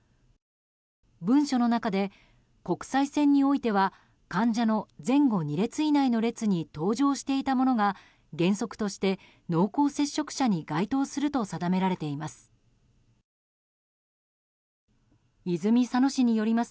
文書の中で、国際線においては患者の前後２列以内の列に搭乗していた者が原則として濃厚接触者に該当すると定められています。